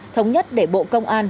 thống nhất để bộ công an